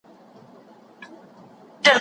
که د نجونو حق ومنو نو هیواد نه خرابیږي.